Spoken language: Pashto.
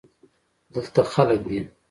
دلته خلگ دی.